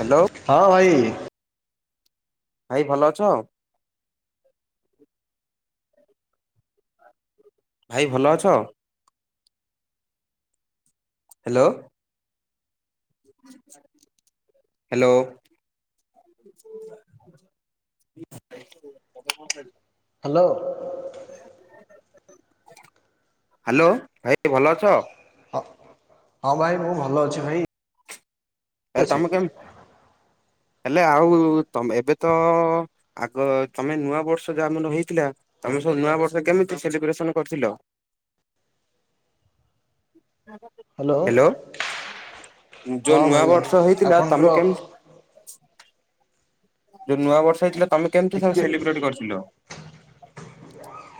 Hello ହଁ ଭାଇ। ଭାଇ ଭଲ ଅଛ? ଭାଇ ଭଲ ଅଛ? ହ୍ୟାଲୋ? ହ୍ୟାଲୋ।? [inaudible] ହ୍ୟାଲୋ। ହ୍ୟାଲୋ ଭାଇ ଭଲ ଅଛ? ହଁ ହଁ ଭାଇ ମୁଁ ଭଲ ଅଛି ଭାଇ। ହେ ଠିକ୍ ଅଛି ତମେ କେ ହେଲେ ଆଉ ତମ ଏବେ ତ ଆଗ ତମେ ନୂଆ ବର୍ଷ ଯା ମ ହେଇଥିଲା ତମେ ସବୁ ନୂଆବର୍ଷ କେମିତି ସେଲିବ୍ରେସନ କରିଥିଲ? ହ୍ୟାଲୋ ଯୋଉ ହଁ ଭାଇ ନୂଆବର୍ [unintelligible] ହେଇଥିଲା ଆପଣଙ୍କର ତମେ କେମିତି ଯୋଉ ନୂଆ ବର୍ଷ ହେଇଥିଲା ତମେ କେମିତି ସବୁ ଟିକେ ସେଲିବ୍ରେଟ କରିଥିଲ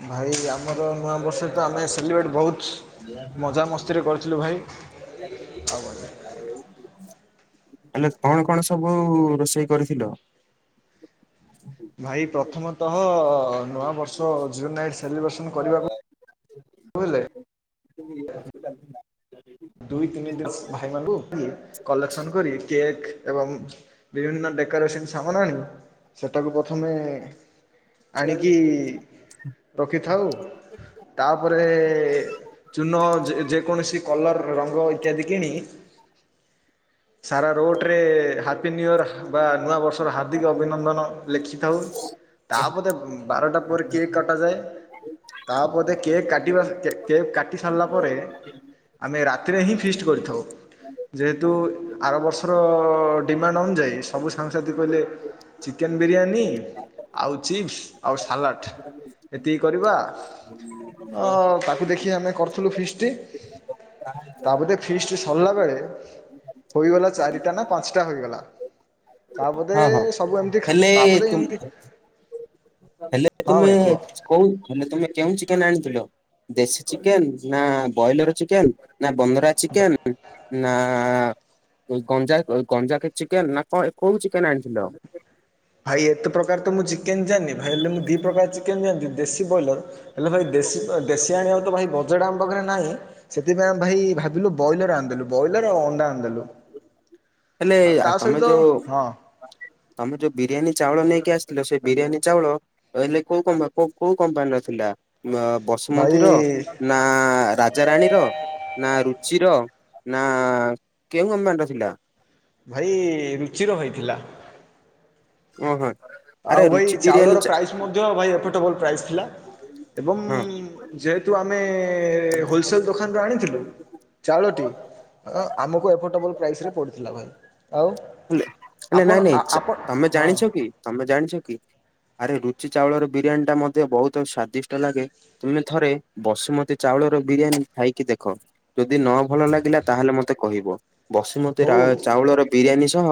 ଭାଇ ଆମର ନୂଆ ବର୍ଷ ତ ଆମେ ସେଲିବ୍ରେଟ ବହୁତ ମଜାମସ୍ତିରେ କରିଥିଲୁ ଭାଇ ଆଉ ହେଲେ କଣ କଣ ସବୁ ରୋଷେଇ କରିଥିଲ? ଭାଇ ପ୍ରଥମତଃ ନୂଆବର୍ଷ ଜିରୋ ନାଇଟଲିବ୍ରେସନ କରିବାକୁ ହେଲେ ଦୁଇ ତିନି ଦ ଭାଇମାନଙ୍କୁ କଲେକ୍ସନ କରି କେକ୍ ଏବଂ ବିଭିନ୍ନ ଡେକୋରେସନ ସାମନ୍ ଆଣ ସେଟାକୁ ପ୍ରଥମେ ଆଣିକି ରଖିଥାଉ ତାପରେ- ଚୂନ ଯେ-ଯେକୌଣସି କଲର ରଙ୍ଗ ଇତ୍ୟାଦି କିଣି ସାରା ରୋଟ ରେ ହ୍ୟାପି ନ୍ୟୁ ୟି ଅ ର ବା ନୂଆ ବର୍ଷର ହାର୍ଦ୍ଦିକ ଅଭିନନ୍ଦନ ଲେଖିଥାଉ। ତା ଉଁ-ବାରଟା ପରେ କିଏ କଟାଯାଏ। ତାପଦେ କେକ୍ କାଟିବା କେକ୍ କାଟି ସାରିଲା ପରେ ଆମେ ରାତିରେ ହିଁ ଫିଷ୍ଟ କରିଥାଉ। ଯେହେତୁ ଆର ବର୍ଷର- ଡିମାଣ୍ଡ ଅନୁଯାୟୀ ସବୁ ସାଙ୍ଗସାଥି କହିଲେ ଚିକେନ ବିରିୟାନୀ ଆଉ ଚିପ୍ସ ଆଉ ସାଲାଟ। ଏତିକି କରିବା ଅ- ତାକୁ ଦେଖି ଆମେ କରଥିଲୁ ଫିସ୍ ଟି। ତା ବଧେ ଫିସ୍ଟି ସରିଲା ବେଳେ ହୋଇଗଲା ଚାରିଟା ନା ପାଞ୍ଚଟା ହୋଇଗଲା। ତାପଦେ ହଁ ହଁ ସବୁ ଏମିତି ହେଲେ ତାପଦେ ତୁମ ଏମିତି ହେଲେ ହଁ ତୁମେ ଭାଇ କୁହ। କୋଉ ହେଲେ ତମେ କେଉଁ ଚିକେନ ଆଣିଥିଲ ଦେଶୀ ଚିକେନ ନା ବ୍ରଏଲର ଚିକେନ୍? ନା ବନ୍ଧରା ଚିକେନ? ନା ଗଞଜା ଗଞ୍ଜା ଚିକେ ନା କଣ କୋଉ ଚିକେନ ଆଣିଥିଲ? ଭାଇ ଏତେ ପ୍ରକାର ତ ମୁଁ ଚିକେନ୍ ଜାଣିନି ଭାଇ ହେଲେ ମୁଁ ଦୁଇ ପ୍ରକାର ଚିକେନ ଯାଆନ୍ତି ଦେଶୀ ବ୍ରଏଲର୍। ହେଲେ ଭାଇ ଦେଶୀ- ଦେଶୀ ଆଣିବାକୁ ତ ଭାଇ ବଜେଟ ଆମ ପାଖରେ ନାହିଁ। ସେଥିପାଇଁ ଆମେ ଭାଇ ଭାବିଲୁ ବ୍ରଏଲର ଆଣିଦେଲୁ ବ୍ରଏଲର ଆଉ ଅଣ୍ଡା ଆଣିଦେଲୁ। ହେଲେ ଆଉ ତା ଆ-ତମେ ସହିତ ଯୋଉ ହଁ ତମେ ଯୋଉ ବିରିୟାନୀ ଚାଉଳ ନେଇକି ଆସିଥିଲ ସେ ବିରିୟାନୀ ଚାଉଳ। ତାହେଲେ କଉ କମ୍ବା କଉ କୋଉ କମ୍ପାନୀର ଥିଲା, ନାଁ ଭାଇ ବସୁମତୀ ର ଉଁ। ନା ରାଜାାରାଣୀର। ନା ରୁଚିର ନା କେଉଁ ଅମ୍ପାନୀ ର ଥିଲା। ଭାଇ ରୁଚିର ହଇଥିଲା। ଓହୋ। ଆରେ ଆଉ ଭାଇ ରୁଚି ବିରିୟାନୀ ଚାଉଳର ଚା ପ୍ରାଇସ ମଧ୍ୟ ଭାଇ ଏଫର୍ଟେବଲ ପ୍ରାଇସ ଥିଲା। ଏବଂ ହଁ। ଯେହେତୁ ଆମେ ହୋଲସେଲ ଦୋକାନରୁ ଆଣିଥିଲୁ। ଚାଉଳଟି ଅ ଆମକୁ ଏଫୋର୍ଡ଼େବଲ୍ ପ୍ରାଇସ ପଡ଼ିଥିଲା ହେଲେ ଭାଇ ଆଉ। ହେଲେ [unintelligible] ଆପଣ ନାଇଁ ଆ ନାଇଁ ଆପଣ ତମେ ହଁ ଜାଣିଛ କି ତମେ ଜାଣିଛ କି? ଆରେ ରୁଚି ଚାଉଳର ବିରିୟାନୀ ଟା ମତେ ବହୁତ ସ୍ଵାଦିଷ୍ଟ ଲାଗେ। ତୁମେ ଥରେ ବସୁମତୀ ଚାଉଳର ବିରିୟାନୀ ଖାଇକି ଦେଖ। ଯଦି ନ ଭଲ ଲାଗିଲା ତାହେଲେ ମତେ କହିବ ବସୁମତୀ ରା ହଉ ଚାଉଳର ବିରିୟାନୀ। ତ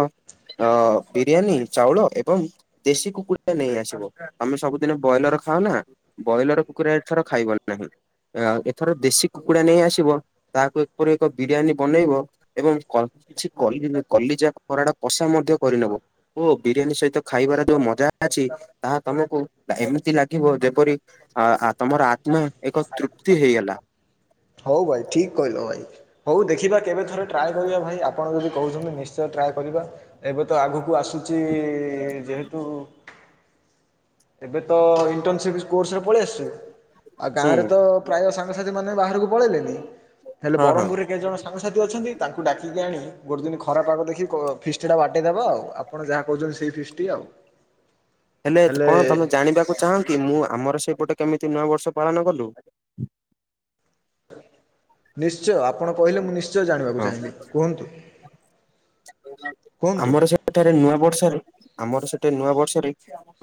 ବିରିୟାନୀ ଚାଉଳ ଏବଂ। ଦେଶୀ କୁକୁଡ଼ା ନେଇ ଆସିବ ତମେ ସବୁଦିନ ବ୍ରଏଲର ଖାଓ ନା। ବ୍ରଏଲର କୁକୁଡ଼ା ଏଥର ଖାଇବ ନାହିଁ ଏଥର ଦେଶୀ କୁକୁଡ଼ା ନେଇ ଆସିବ। ତାହାକୁ ଏପରି ଏକ ବିରିୟାନୀ ବନେଇବ ଏବଂ କ କିଛି କଲି କଲିଜା। କରାଟ କଷା ମଧ୍ୟ କରିନବ। ଓ ବିରିୟାନୀ ସହିତ ଖାଇବାର ଯୋଉ ମଜା ଅଛି ତାହା ତମକୁ ଏମିତି ଲାଗିବ ଯେପରି। ଆ ତମର ଆତ୍ମା ଏକ ତୃପ୍ତି ହେଇଗଲା। ହଉ ଭାଇ ଠିକ୍ କହିଲ ଭାଇ। ହଉ ଦେଖିବା କେବେଥରେ ଟ୍ରାଏ କରିବା ଭାଇ ଆପଣ ଯଦି କହୁଛନ୍ତି ନିଶ୍ଚୟ ଟ୍ରାଏ କରିବା। ଏବେ ତ ଆଗକୁ ଆସୁଛି ଯେହେତୁ। ଏବେ ତ ଇଣ୍ଟର୍ନସିପ କୋର୍ସରେ ପଳେଇ ଆସଛି ଆଉ ହୁଁ ଗାଁରେ ତ। ପ୍ରାୟ ସାଙ୍ଗସାଥି ମାନେ ବାହାରକୁ ପଳେଇଲେନି ହେଲେ ହଁ ହଁ ବରମପୁରରେ କେଇଜଣ ସା ସାଙ୍ଗସାଥି ଅଛନ୍ତି ତାଙ୍କୁ ଡାକିକି ଆଣି। ଗୋଟେଦିନ ଖରାପାଗ ଦେଖି କ ଫିଷ୍ଟି ଟା ବାଡେଇଦବା ଆଉ ଆପଣ ଯାହା କହୁଛନ୍ତି ସେଇ ଫିଷ୍ଟ ଆଉ। ହେଲେ କଣ ତମେ ଜାଣିବାକୁ ଚାହଁ କି ମୁଁ ଆମର ସେପଟେ କେମିତି ନୂଆ ବର୍ଷ ପାଳନ କଲୁ। ନିଶ୍ଚୟ ଆପଣ କହିଲେ ମୁଁ ନିଶ୍ଚୟ ଜାଣିବାକୁ ହଁ ଚାହିଁବି କୁହନ୍ତୁ। କୁହନ୍ତୁ ଆମର ସେଠାରେ ନୂଆ ବର୍ଷରେ ଆମର ସେଠାରେ ନୂଆ ବର୍ଷରେ।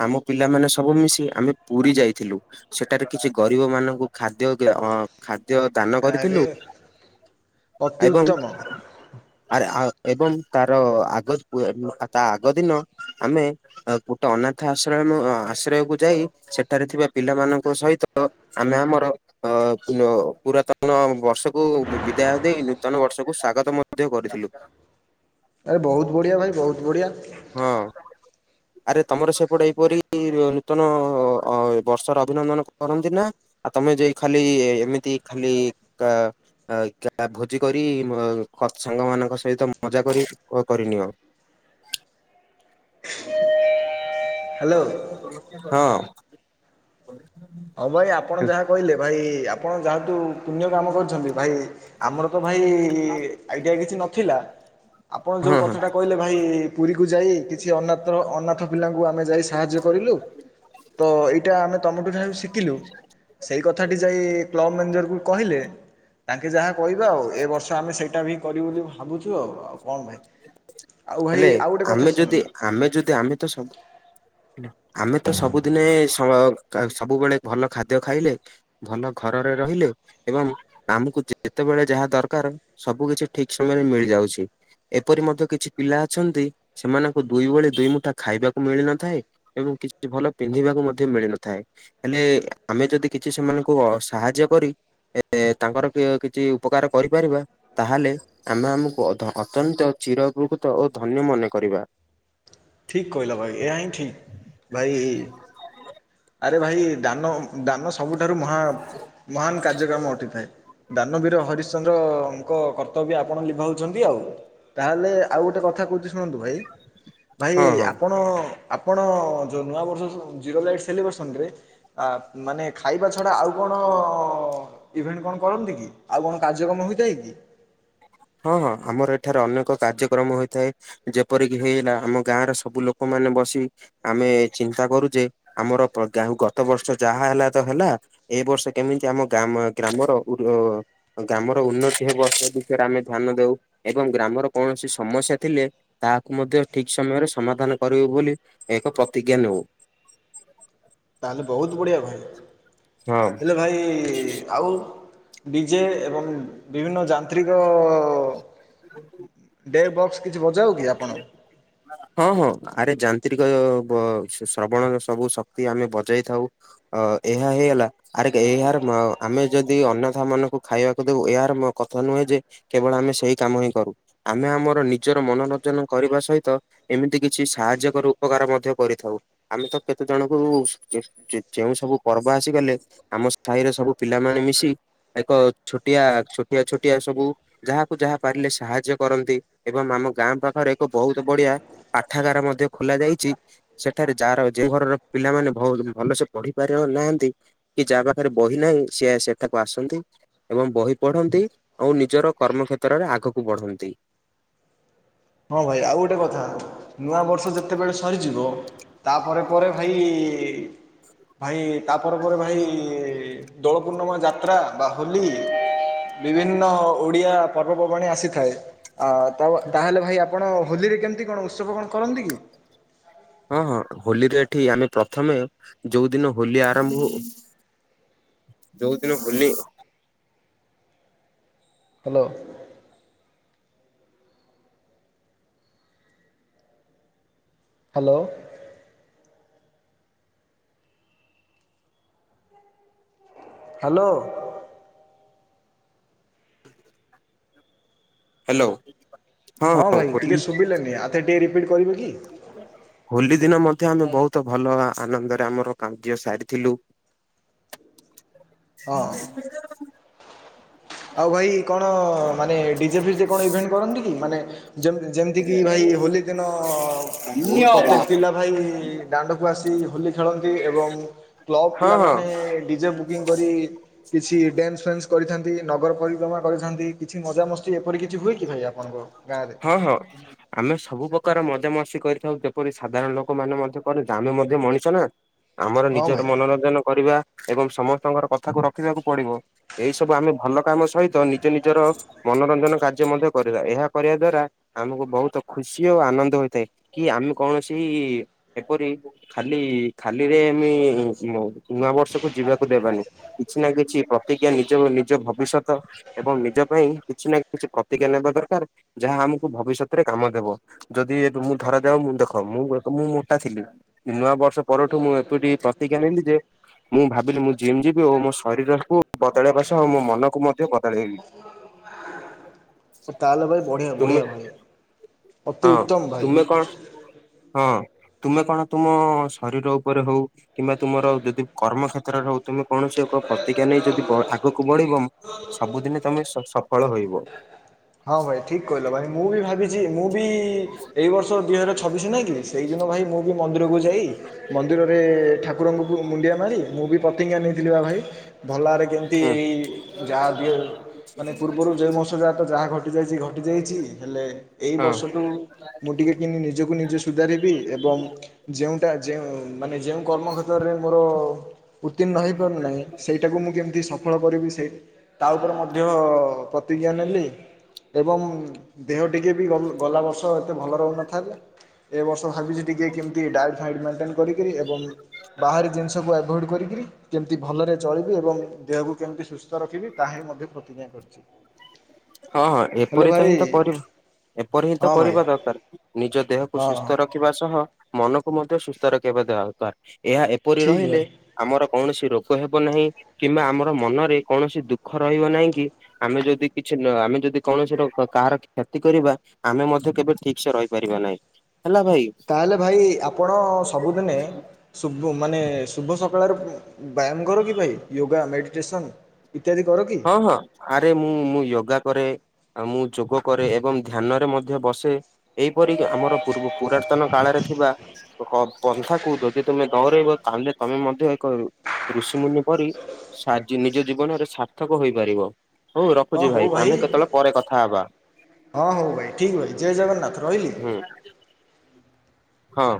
ଆମ ପିଲାମାନେେ ସବୁ ମିଶି ଆମେ ପୁରୀ ଯାଇଥିଲୁ। ସେଠାରେ କିଛି ଗରିବ ମାନଙ୍କୁ ଖାଦ୍ୟ ଅ ଖାଦ୍ୟ ଦାନ ଆରେ କରିଥିଲୁ। ଅତି ଏବଂ। ଉତ୍ତମ ଆରେ ଆ ଏବଂ ତାର ଆଗ ତା ଆଗ ଦିନ ଆମେ। ଗୋଟେ ଅନାଥ ଆଶ୍ରୟମ ଆଶ୍ରୟକୁ ଯାଇ ସେଠାରେ ଥିବା ପିଲାମାନଙ୍କ ସହିତ। ଆମେ ଆମର ଅ ପୁରାତନ ବର୍ଷକୁ। ବିଦାୟ ଦେଇ ନୂତନ ବର୍ଷକୁ ସ୍ଵାଗତ ମଧ୍ୟ କରିଥିଲୁ। ଆରେ ବହୁତ ବଢିଆ ଭାଇ ବହୁତ ବଢିଆ। ହଁ ଆରେ ତମର ସେପଟେ ଏପରି ନୂତନ। ଅ ବର୍ଷର ଅଭିନନ୍ଦନ କରନ୍ତି ନା। ଆଉ ତମେ ଯାଇ ଖାଲି ଏମିତି ଖାଲି କା ଆ ଭୋଜି କରି ସାଙ୍ଗ ମାନଙ୍କ ସହିତ ମଜା କରି କରିନିଅ। ହ୍ୟାଲୋ। ହଁ। ହଁ ଭାଇ ଆପଣ ଯାହା କହିଲେ ଭାଇ ଆପଣ ଯାହାତୁ ପୁଣ୍ୟ କାମ କରିଛନ୍ତି ଭାଇ। ଆମର ତ ଭାଇ ଆଇଡିଆ କିଛି ନଥିଲା ଆପଣ ହଁ ଯୋଉ ହଁ। କଥା ଟା କହିଲେ। ଭାଇ ପୁରୀକୁ ଯାଇ କିଛି ଅନାତ୍ର ଅନାଥ ପିଲାଙ୍କୁ ଆମେ ଯାଇ ସାହାଯ୍ୟ କରିଲୁ। ତ ଏଇଟା ଆମେ ତମଠୁ। [unintelligible] ସିଖିଲୁ ସେଇ କଥାଟି ଯାଇ କ୍ଲବ ମ୍ୟାନେଜରକୁ କହିଲେ। ତାଙ୍କେ ଯାହା କହିବେ ଆଉ ଏ ବର୍ଷ ଆମେ ସେଇଟା ବି କରିବୁ ବୋଲି ଭାବୁଚୁ ଆଉ ଆଉ। କଣ ଭାଇ ଆଉ ଭାଇ ହେଲେ ଆଉ ଗୋଟେ କଥା ଆମେ ଯଦି ଶୁଣନ୍ତୁ। ଆମେ ଯଦି ଆମେ ତ ସବୁ ଆମେ ତ ସବୁଦିନେ ସ ସବୁବେଳେ ଭଲ ଖାଦ୍ୟ ଖାଇଲେ ଭଲ ଘରରେ ରହିଲେ ଏବଂ ଆମକୁ ଯେତେବେଳେ ଯାହା ଦରକାର ସବୁ କିଛି ଠିକ ସମୟରେ ମିଳି ଯାଉଛି। ଏପରି ମଧ୍ୟ କିଛି ପିଲା ଅଛନ୍ତି ସେମାନଙ୍କୁ ଦୁଇ ଓଳି ଦୁଇ ମୁଠା ଖାଇବାକୁ ମିଳିନଥାଏ। ଏବଂ କିଛି ଭଲ ପିନ୍ଧିବାକୁ ମଧ୍ୟ ମିଳିନଥାଏ। ହେଲେ ଆମେ ଯଦି କିଛି ସେମାନଙ୍କୁ ସାହାଯ୍ୟ କରି ଏ ତାଙ୍କର କିଛି ଉପକାର କରିପାରିବା, ତାହେଲେ ଆମେ ଆମକୁ ଅତ୍ୟନ୍ତ ଚିରପ୍ରକୃତ ଓ ଧନ୍ୟ ମନେ କରିବା। ଠିକ୍ କହିଲ ଭାଇ ଏହା ହିଁ ଠିକ୍। ଭାଇ ଆରେ ଭାଇ ଦାନ ଦାନ ସବୁଠାରୁ ମହା ମହାନ କାର୍ଯ୍ୟକ୍ରମ ଅଟିଥାଏ। ଦାନବୀର ହରିଶ୍ଚନ୍ଦ୍ରଙ୍କ କର୍ତ୍ତବ୍ୟ ଆପଣ ଲିଭାଉଛନ୍ତି ଆଉ। ତାହେଲେ ଆଉ ଗୋଟେ କଥା କହୁଚି ଶୁଣନ୍ତୁ ଭାଇ। ଭାଇ ହଁ ହଁ ଆପଣ ଆପଣ ଯେଉଁ ନୂଆବର୍ଷ ଜିରୋ ଲାଇଟ୍ ସେଲିବ୍ରେସନରେ ଆ ମାନେ ଖାଇବା ଛଡ଼ା ଆଉ କଣ ଇଭେଣ୍ଟ କଣ କରନ୍ତି କି ଆଉ କଣ କାର୍ଯ୍ୟକ୍ରମ ହୋଇଥାଏ କି? ହଁ ହଁ ଆମର ଏଠାରେ ଅନେକ କାର୍ଯ୍ୟକ୍ରମ ହୋଇଥାଏ। ଯେପରିକି ହେଇଗଲା ଆମ ଗାଁ ର ସବୁ ଲୋକମାନେ ବସି ଆମେ ଚିନ୍ତା କରୁ ଯେ ଆମର ଯୋଉ ଗତ ବର୍ଷ ଯାହା ହେଲା ତ ହେଲା ଏଇ ବର୍ଷ କେମିତି ଆମ ଗା ଗ୍ରାମର ଗ୍ରାମର ଉନ୍ନତି ହେବ ସେ ବିଷୟରେ ଆମେ ଧ୍ୟାନ ଦଉ। ଏବଂ ଗ୍ରାମର କୌଣସି ସମସ୍ୟା ଥିଲେ ତାହାକୁ ମଧ୍ୟ ଠିକ୍ ସମୟରେ ସମାଧାନ କରିବୁ ବୋଲି ଏକ ପ୍ରତିଜ୍ଞା ନେଉ। ତାହେଲେ ବହୁତ ବଢ଼ିଆ ଭାଇ। ହଁ ହେଲେ ଭାଇ ଆଉ ଡିଜେ ଏବଂ ବିଭିନ୍ନ ଯାନ୍ତ୍ରିକ [unintelligible] ଡେ ବକ୍ସ କିଛି ବଜାଉ କି ଆପଣ? ହଁ, ହଁ। ଆରେ ଯାନ୍ତ୍ରିକ ଶ୍ରବଣ ସବୁ ଶକ୍ତି ଆମେ ବଜାଇ ଥାଉ। ଅ ଏହା ହେଇଗଲା। ଆରେ ଏହାର ଆମେ ଯଦି ଅନାଥ ମାନଙ୍କୁ ଖାଇବାକୁ ଦେଉ ଏହାର କଥା ନୁହେଁ ଯେ କେବଳ ଆମେ ସେଇ କାମ ହିଁ କରୁ। ଆମେ ଆମର ନିଜର ମନୋରଞ୍ଜନ କରିବା ସହିତ ଏମିତି କିଛି ସାହାଯ୍ୟ କରୁ ଉପକାର ମଧ୍ୟ କରିଥାଉ। ଆମେ ତ କେତେ ଜଣଙ୍କୁ ଯେ ଯେଉଁ ସବୁ ପର୍ବ ଆସିଗଲେ ଆମ ସାହିର ସବୁ ପିଲାମାନେ ମିଶି ଏକ ଛୋଟିଆ, ଛୋଟିଆ, ଛୋଟିଆ ସବୁ ଯାହାକୁ ଯାହା ପାରିଲେ ସାହାଯ୍ୟ କରନ୍ତି। ଏବଂ ଆମ ଗାଁ ପାଖରେ ଏକ ବହୁତ ବଢିଆ ପାଠାଗାର ମଧ୍ୟ ଖୋଲା ଯାଇଚି। ସେଠାରେ ଯାହାର ଯେଉଁ ଘରର ପିଲାମାନେ ଭଲ ସେ ପଢି ପାରୁ ନାହାନ୍ତି କି ଯାହା ପାଖରେ ବହି ନାହିଁ, ସିଏ ସେଠାକୁ ଆସନ୍ତି। ଏବଂ ବହି ପଢନ୍ତି ଆଉ ନିଜର କର୍ମ କ୍ଷେତ୍ରରେ ଆଗକୁ ବଢନ୍ତି। ହଁ, ଭାଇ ଆଉ ଗୋଟେ କଥା, ନୂଆ ବର୍ଷ ଯେତେବେଳେ ସରିଯିବ ତାପରେ ପରେ ଭାଇ ଭାଇ ତାପରେ ପରେ ଭାଇ ଦୋଳ ପୂର୍ଣ୍ଣିମା ଯାତ୍ରା ବା ହୋଲି ବିଭିନ୍ନ ଓଡିଆ ପର୍ବପର୍ବାଣି ଆସିଥାଏ। ଆ ତା ତାହେଲେ ଭାଇ ଆପଣ ହୋଲିରେ କେମିତି କଣ ଉତ୍ସବ କଣ କରନ୍ତି କି? ହଁ, ହୋଲିରେ ଏଠି ଆମେ ପ୍ରଥମେ ଯୋଉ ଦିନ ହୋଲି ଆରମ୍ଭ ହଉ ଯୋଉଦିନ Holi hello. Hello. Hello. Hello. ହଁ, ଭାଇ ଟିକେ ଶୁଭିଲାନି ଆଉ ଥରେ ଟିକେ ରିପିଟ୍ କରିବେ କି? ହୋଲି ଦିନ ମଧ୍ୟ ଆମେ ବହୁତ ଭଲ ଆନନ୍ଦରେ ଆମର କାର୍ଯ୍ୟ ସାରିଥିଲୁ। [inaudible] ହଁ। ଆଉ ଭାଇ କଣ ମାନେ ଡିଜେ ଫିଜେ କଣ ଇଭେଣ୍ଟ କରନ୍ତି କି ମାନେ ଯେମତି ଯେମତିକି ଭାଇ ହୋଲି ଦିନ ପ୍ରତ୍ୟେକ ପିଲା ଭାଇ ଦାଣ୍ଡକୁ ଆସି ହୋଲି ଖେଳନ୍ତି ଏବଂ କ୍ଲବ ହଁ ହଁ ପିଲାମାନେ ଡିଜେକୁ ଡଲଫିନ କରି କିଛି ଡ୍ୟାନ୍ସ ଫ୍ୟାନ୍ସ କରିଥାନ୍ତି ନଗର ପରିକ୍ରମଣ କରିଥାନ୍ତି କିଛି ମଜା ମସ୍ତି ଏପରି କିଛି ହୁଏ କି ଭାଇ ଆପଣଙ୍କ ଗାଁରେ? ହଁ ହଁ। ଆମେ ସବୁ ପ୍ରକାର ମଜାମସ୍ତି କରିଥାଉ ଯେପରି ସାଧାରଣ ଲୋକ ମାନେ ମଧ୍ୟ କରନ୍ତି। ଆମେ ମଧ୍ୟ ମଣିଷ ନା? ଆମର ହଁ ନିଜର ଭାଇ। ମନୋରଞ୍ଜନ କରିବା ଏବଂ ସମସ୍ତଙ୍କର କଥାକୁ ରଖିବାକୁ ପଡିବ। ଏଇ ସବୁ ଆମେ ଭଲ କାମ ସହିତ ନିଜ ନିଜର ମନୋରଞ୍ଜନ କାର୍ଯ୍ୟ ମଧ୍ୟ କରିବା ଏହା କରିବା ଦ୍ଵାରା ଆମକୁ ବହୁତ ଖୁସି ଓ ଆନନ୍ଦ ହୋଇଥାଏ କି ଆମେ କୌଣସି ଏପରି ଖାଲି ଖାଲିରେ ଆମେ ନୂଆ ବର୍ଷକୁ ଯିବାକୁ ଦେବାନି। କିଛି ନା, କିଛି ପ୍ରତିଜ୍ଞା ନିଜ ନିଜ ଭବିଷ୍ୟତ ଏବଂ ନିଜ ପାଇଁ କିଛି ନା କିଛି ପ୍ରତିଜ୍ଞା ନେବା ଦରକାର। ଯାହା ଆମକୁ ଭବିଷ୍ୟତରେ କାମ ଦେବ। ଯଦି ମୁଁ ଧରାଯାଉ ମୁଁ ଦେଖ ମୁଁ ମୁଁ ମୋଟା ଥିଲି ନୂଆ ବର୍ଷ ପରଠୁ ମୁଁ ଏତୁଟି ପ୍ରତିଜ୍ଞା ନେଲିି ଯେ ମୁଁ ଭାବିଲି ମୁଁ ଜିମ୍ ଯିବି ଓ ମୋ ଶରୀରକୁ ବଦଳେଇବା ସହ ମୋ ମନକୁ ମଧ୍ୟ ବଦଳେଇବି। [inaudible] ତାହେଲେ ଭାଇ ବଢିଆ ତୁମେ ବଢିଆ ଭାଇ। ଅତି ହଁ ଉତ୍ତମ ଭାଇ। ତୁମେ କଣ ହଁ ତୁମେ କଣ ତୁମ ଶରୀର ଉପରେ ହଉ କିମ୍ବା ତୁମର ଯଦି କର୍ମ କ୍ଷେତ୍ରରେ ତୁମେ କୌଣସି ଏକ ପ୍ରତିଜ୍ଞା ନେଇ ଯଦି ଆଗକୁ ବଢିବ ସବୁଦିନେ ତମେ ସଫଳ ରହିବ। ହଁ ଭାଇ ଠିକ କହିଲ ଭାଇ ମୁଁ ବି ଭାବିଛି ମୁଁ ମୁଁ ବି ଏଇ ବର୍ଷ ଦୁଇ ହଜାର ଛବିଶ ନାଇଁ କି ସେଇ ଦିନ ଭାଇ ମୁଁ ବି ମନ୍ଦିରକୁ ଯାଇ ମନ୍ଦିରରେ ଠାକୁରଙ୍କୁ ମୁଣ୍ଡିଆ ମାରି ମୁଁ ବି ପତିଙ୍ଗା ନେଇଥିଲି ବା ଭାଇ। ଭଲ ଭାବରେ କେମିତି ହୁଁ ଏଇ ଯା ଦି ମାନେ ପୂର୍ବରୁ ଯେଉଁ ମାସ ଯା ଯାହା ଘଟି ଯାଇଛି ଘଟି ଯାଇଛି ହେଲେ ଏଇ ହଁ ବର୍ଷ ମୁଁ ଟିକେ କିନ୍ତୁ ନିଜକୁ ନିଜେ ସୁଧାରିବି ଏବଂ ଟା ଯେଉଁ ମାନେ ଯେଉଁ କର୍ମକ୍ଷେତ୍ରରେ ମୋର ଉତ୍ତୀର୍ଣ୍ଣ ହୋଇପାରୁନାହିଁ ସେଇଟାକୁ ମୁଁ କେମିତି ସଫଳ କରିବି ସେଇ ତା ଉପରେ ମଧ୍ୟ ପ୍ରତିଜ୍ଞା ନେଲି। ଏବଂ ଦେହ ଟିକେ ବି ଗଲା ବର୍ଷ ଏତେ ଭଲ ରହୁନଥାଏ ଏ ବର୍ଷ ଭାବିଛି ଟିକିଏ କେମିତି ଡାଏଟ୍ ହାଇଟ୍ ମେଣ୍ଟେନ୍ କରିକିରି ଏବଂ ବାହାରି ଜିନିଷକୁ ଆଭଏଡ଼୍ କରି କିରି କେମିତି ଭଲରେ ଚଳିବି ଏବଂ ଦେହକୁ କେମିତି ସୁସ୍ଥ ରଖିବି ତାହା ହିଁ ମଧ୍ୟ ପ୍ରତିଜ୍ଞା କରିଛି। ହଁ ହଁ ହେଲୋ ଏପରି ତ ଭାଇ ହିଁ ତ ଏପରି ହିଁ ତ ହଁ ଭାଇ କରିବା ଦରକାର ନିଜ ଦେହକୁ ହଁ ସୁସ୍ଥ ର ଖିବା ସହ ମନକୁ ମଧ୍ୟ ସୁସ୍ଥ ରଖିବା ଦରକାର ଏହା ଏପରି ଠିକ୍ ରହିଲେ ଭାଇ ଆମର କୌଣସି ରୋଗ ହେବ ନାହିଁ କିମ୍ବା ଆମର ମନରେ କୌଣସି ଦୁଃଖ ରହିବ ନାହିଁ କି ଆମେ ଯଦି ଆମେ ଯଦି କୌଣସି ର କାହାର କ୍ଷତି କରିବା ଆମେ ମଧ୍ୟ କେବେ ଠିକ ସେ ରହିପାରିବା ନାହିଁ। ହେଲା ଭାଇ। ତାହେଲେ ଭାଇ ଆପଣ ସବୁଦିନେ ଶୁଭ ମାନେ ଶୁଭ ସକାଳରେ ବ୍ୟାୟାମ କର କି ଭାଇ ୟୋଗା ମେଡ଼ିଟେସନ? ଇତ୍ୟାଦି କର କି? ହଁ ହଁ। ଆରେ ମୁଁ ମୁଁ ୟୋଗା କରେ ମୁଁ ଯୋଗ କରେ ଏବଂ ଧ୍ୟାନରେ ମଧ୍ୟ ବସେ। ଏହିପରି ଆମର ପୂର୍ବ ପୁରାତନ କାଳରେ ଥିବା ପନ୍ଥାକୁ ଯଦି ତମେ ଦୌରେଇବ ତାହେଲେ ତମେ ମଧ୍ୟ ଏକ ଋଷିମୁନ କରି ସା ନିଜ ଜୀବନରେ ସା ଥକ ହୋଇପାରିବ। ହୋଉ ହଁ ରଖୁଛି ହଉ ଭାଇ ଆମେ କେତେବେଳେ ପରେ କଥା ହେବା। ହଁ ହଉ ଭାଇ ଠିକ୍ ଅ ଭାଇ ଜୟ ଜଗନ୍ନାଥ ରହିଲି। ହୁ। ହଁ।